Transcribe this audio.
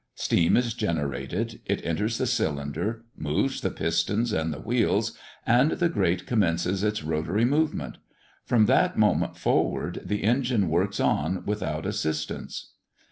Steam is generated, it enters the cylinders, moves the pistons and the wheels, and the grate commences its rotary movement. From that moment forward, the engine works on without assistance.